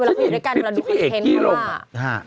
เวลาคุณอยู่ด้วยกันเวลาทุกคนเห็นก็ว่า